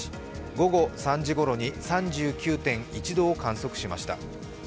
午後３時ごろに３９．１度を観測しました。